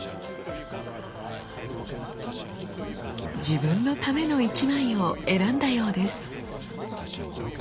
自分のための一枚を選んだようです。